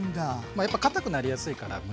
やっぱかたくなりやすいからむね肉は。